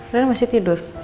raina masih tidur